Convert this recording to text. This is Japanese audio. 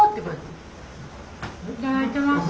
いただいてます。